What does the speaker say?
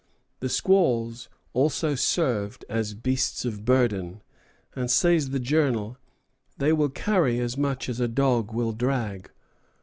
The squaws also served as beasts of burden; and, says the journal, "they will carry as much as a dog will drag."